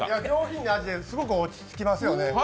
上品な味ですごく落ち着きますよね。